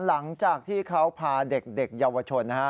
หลังจากที่เขาพาเด็กเยาวชนนะฮะ